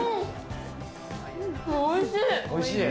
おいしい。